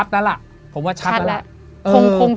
ชัดนั้นล่ะผมว่าชัดนั้นล่ะ